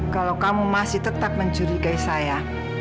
kalau kamu masih tetap mencurigai saya